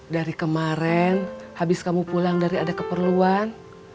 dari kemarin habis kamu pulang dari ada keperluan